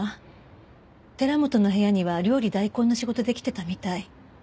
寺本の部屋には料理代行の仕事で来てたみたい。